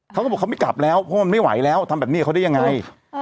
เขาก็บอกเขาไม่กลับแล้วเพราะมันไม่ไหวแล้วทำแบบนี้เขาได้ยังไง